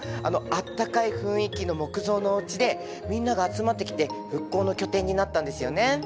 あのあったかい雰囲気の木造のおうちでみんなが集まってきて復興の拠点になったんですよね。